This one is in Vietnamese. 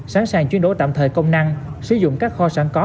sẵn sàng chuyển đổi tạm thời công năng sử dụng các kho sẵn có